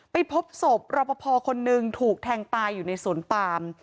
ไปพบศพรอปภคนนึงถูกแทงตายอยู่ในสวนปาม